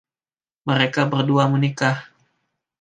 Mereka berdua menikah.